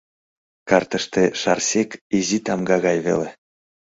Картыште Шарсег изи тамга гай веле.